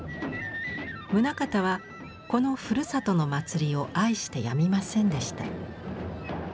棟方はこのふるさとの祭りを愛してやみませんでした。